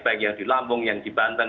baik yang di lampung yang di banten